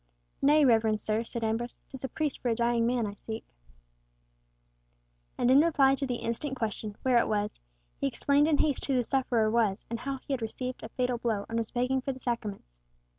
"Nay, reverend sir," said Ambrose. "'Tis a priest for a dying man I seek;" and in reply to the instant question, where it was, he explained in haste who the sufferer was, and how he had received a fatal blow, and was begging for the Sacraments.